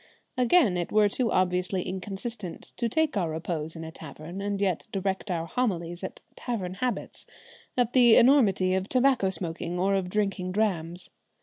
Again, it were too obviously inconsistent to take our repose in a tavern and yet direct our homilies at tavern habits, at the enormity of tobacco smoking or of drinking drams.